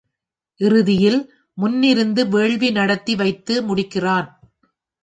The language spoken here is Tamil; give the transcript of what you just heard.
இறுதியில் முன்னிருந்து வேள்வி நடத்தி வைத்து முடிக்கிறான்.